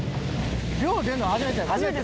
漁出るの初めて。